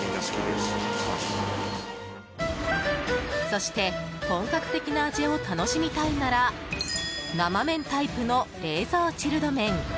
そして、本格的な味を楽しみたいなら生麺タイプの冷蔵チルド麺。